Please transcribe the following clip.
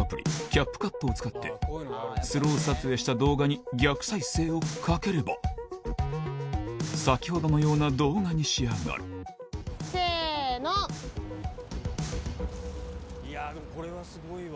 ＣａｐＣｕｔを使ってスロー撮影した動画に逆再生をかければ先ほどのような動画に仕上がるいやでもこれはスゴいわ！